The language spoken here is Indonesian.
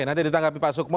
nanti ditangkapi pak sukmo